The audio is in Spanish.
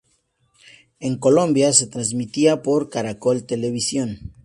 En Colombia, se transmitía por Caracol Televisión.